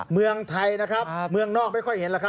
เมืองไทยนะครับเมืองนอกไม่ค่อยเห็นแล้วครับ